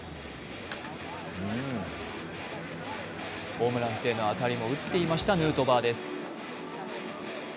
ホームラン性の当たりも打っていましたヌートバーです。